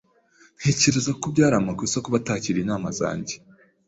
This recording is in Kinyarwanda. Ntekereza ko byari amakosa kuba atakiriye inama zanjye.